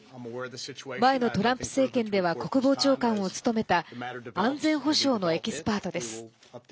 前のトランプ政権では国防長官を務めた安全保障のエキスパートです。